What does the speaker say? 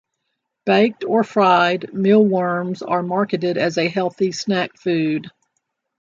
Baked or fried mealworms are marketed as a healthy snack food.